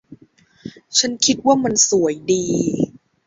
ฉันคิดว่ามันสวยดี